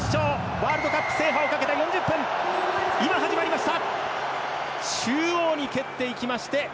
ワールドカップ制覇をかけた４０分今、始まりました。